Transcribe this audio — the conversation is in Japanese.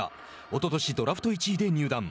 おととしドラフト１位で入団。